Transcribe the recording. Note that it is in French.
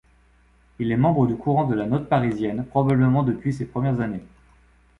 Il est membre du courant de la Note parisienne, probablement depuis ses premières années.